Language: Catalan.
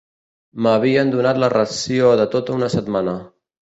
M'havien donat la ració de tota una setmana.